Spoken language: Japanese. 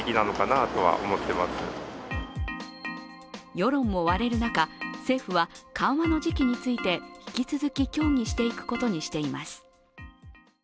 世論も割れる中、政府は緩和の時期について引き続き、協議していくことにしています。